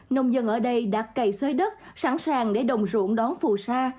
nông dân ở đây đã cày xoay đất sẵn sàng để đồng ruộng đón phù sa